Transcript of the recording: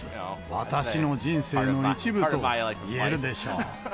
私の人生の一部と言えるでしょう。